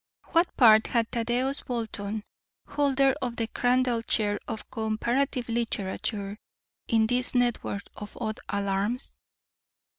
What part had Thaddeus Bolton, holder of the Crandall Chair of Comparative Literature, in this network of odd alarms?